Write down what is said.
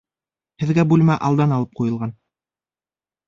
Һеҙгә бүлмә алдан алып ҡуйылған